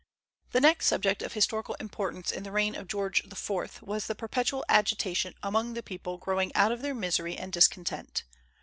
The next subject of historical importance in the reign of George IV. was the perpetual agitation among the people growing out of their misery and discontent.